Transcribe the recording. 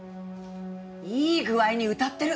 いい具合にうたってる。